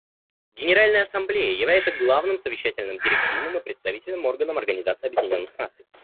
Генеральная Ассамблея является главным совещательным, директивным и представительным органом Организации Объединенных Наций.